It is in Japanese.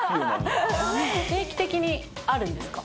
定期的にあるんですか？